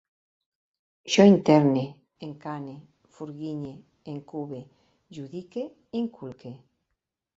Jo interne, encane, furguinye, encube, judique, inculque